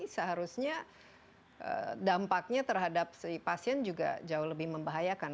seharusnya dampaknya terhadap si pasien juga jauh lebih membahayakan